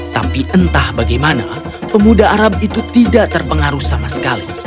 tapi entah bagaimana pemuda arab itu tidak terpengaruh sama sekali